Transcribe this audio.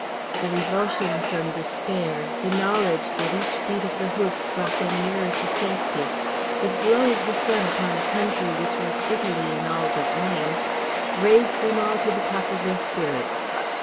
The revulsion from despair, the knowledge that each beat of the hoofs brought them nearer to safety, the glow of the sun upon a country which was Italy in all but name, raised them all to the top of their spirits.